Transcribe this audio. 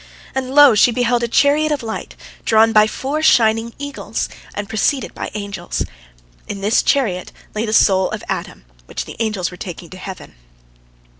And, lo, she beheld a chariot of light, drawn by four shining eagles, and preceded by angels. In this chariot lay the soul of Adam, which the angels were taking to heaven.